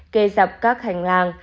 kê dọc các hành lang